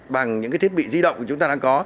bằng những cái thiết bị di động chúng ta đang có